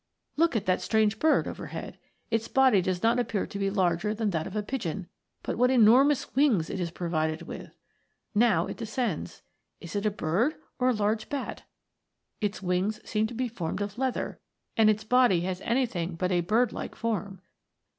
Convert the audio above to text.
Look at that strange bird overhead ! Its body does not appear to be larger than that of a pigeon but what enormous wings it is provided with ! Now it descends. Is it a bird or a large bat 1 Its wings seem to be formed of leather, and its body has anything but a bird like form.